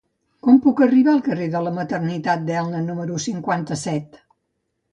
Com puc arribar al carrer de la Maternitat d'Elna número cinquanta-set?